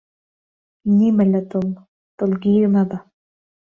نیمە لە دڵ، دڵگیر مەبە